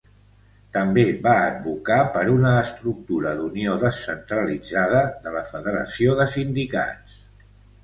També va advocar per una estructura d'unió descentralitzada de la federació de sindicats.